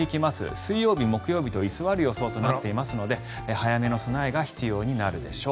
水曜日、木曜日と居座る予想ですので早めの備えが必要になるでしょう。